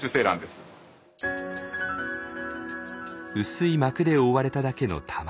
薄い膜で覆われただけの卵。